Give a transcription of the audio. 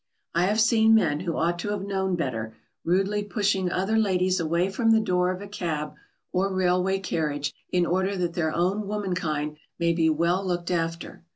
] I have seen men who ought to have known better rudely pushing other ladies away from the door of a cab or railway carriage in order that their own womenkind may be well looked after.